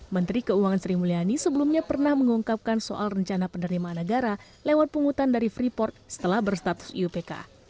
menteri keuangan sri mulyani sebelumnya pernah mengungkapkan soal rencana penerimaan negara lewat pungutan dari freeport setelah berstatus iupk